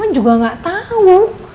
mama juga gak tau